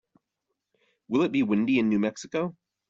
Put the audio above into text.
Will it be windy in New Mexico?